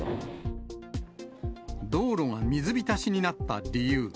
道路が水浸しになった理由。